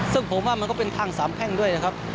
ซึ่งผมว่ามันก็เป็นทางสามแพ่งด้วยนะครับ